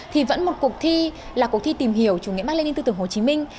thì vẫn một cuộc thi là cuộc thi tìm hiểu chủ nghĩa mắc lên tư tưởng hồ chí minh